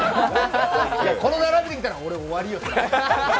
この並びで来たら俺、終わりよ。